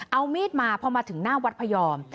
เอามีดมาพอมาถึงหน้าวัดพยอม